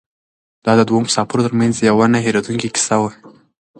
دا د دوو مسافرو تر منځ یوه نه هېرېدونکې کیسه وه.